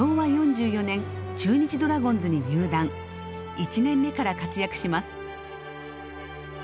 １年目から活躍します。